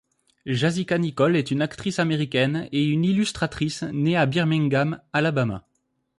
Jasika Nicole est une actrice américaine et une illustratrice née à Birmingham, Alabama.